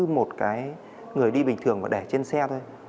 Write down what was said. một người đi bình thường và đẻ trên xe thôi